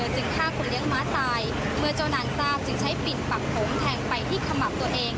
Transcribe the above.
จึงฆ่าคนเลี้ยงม้าตายเมื่อเจ้านางทราบจึงใช้ปิ่นปักผมแทงไปที่ขมับตัวเอง